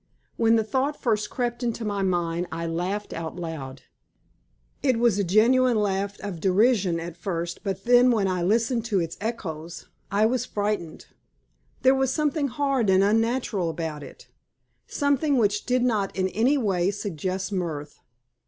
When the thought first crept into my mind I laughed out aloud; it was a genuine laugh of derision at first, but when I listened to its echoes I was frightened. There was something hard and unnatural about it something which did not in any way suggest mirth.